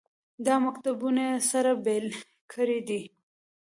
دا مکتبونه یې سره بېلې کړې دي.